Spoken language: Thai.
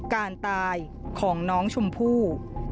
การตายของน้องชมพู่